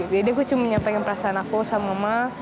jadi aku cuma pengen nyampaikan perasaan aku sama mama